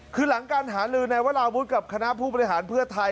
คือหลังการหาลือในวราวุฒิกับคณะผู้บริหารเพื่อไทย